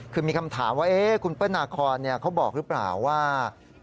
คือมีคำถามว่าคุณเปิ้ลนาคอนเขาบอกหรือเปล่าว่า